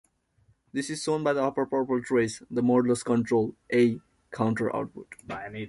This is shown by the upper purple trace, the modulus control, A, counter output.